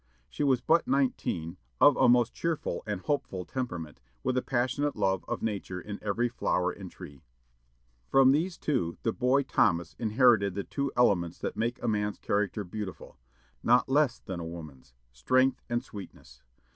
She was but nineteen, of a most cheerful and hopeful temperament, with a passionate love of nature in every flower and tree. From these two the boy Thomas inherited the two elements that make a man's character beautiful, not less than a woman's strength and sweetness.